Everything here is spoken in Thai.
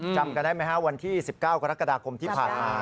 จำกันได้ไหมฮะวันที่๑๙กรกฎาคมที่ผ่านมา